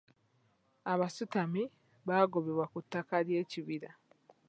Abasutami baagobebwa ku ttaka ly'ekibira.